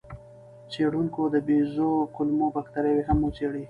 څېړونکو د بیزو کولمو بکتریاوې هم وڅېړې.